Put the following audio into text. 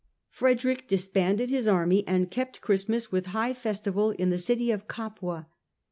Frederick disbanded his army and kept Christmas with high festival in the city of Capua.